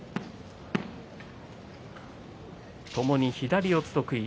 ともに左四つ得意。